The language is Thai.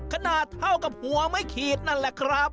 ขนาดเท่ากับหัวไม่ขีดนั่นแหละครับ